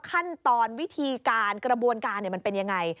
ขั้นตอนวิธีการกระบวนการมันเป็นยังไง